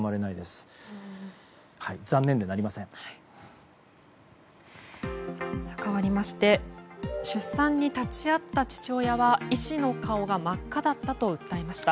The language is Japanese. かわりまして出産に立ち会った父親は医師の顔が真っ赤だったと訴えました。